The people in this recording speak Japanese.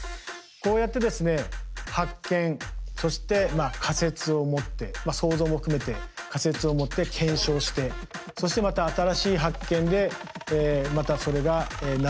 こうやってですね発見そして仮説を持って想像も含めて仮説を持って検証してそしてまた新しい発見でまたそれが謎が深まっていく。